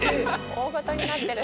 大ごとになってる。